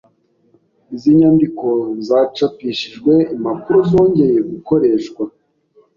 Izi nyandiko zacapishijwe impapuro zongeye gukoreshwa.